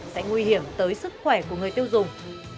sẽ nguy hiểm tới sức khỏe của người tiêu dùng